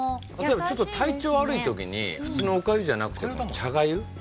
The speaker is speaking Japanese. ちょっと体調悪いときに普通のおかゆじゃなくて茶がゆ。